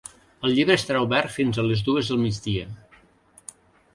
El llibre estarà obert fins a les dues del migdia.